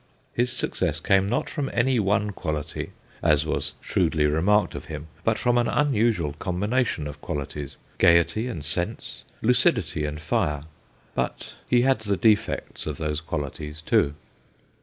His success came not from any one quality, as was shrewdly remarked of him, but from an unusual combination of qualities gaiety and sense, lucidity and fire but he had the defects of those qualities too.